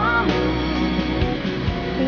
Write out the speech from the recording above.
terima kasih neng